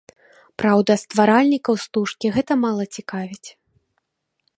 Праўда, стваральнікаў стужкі гэта мала цікавіць.